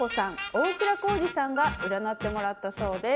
大倉孝二さんが占ってもらったそうです。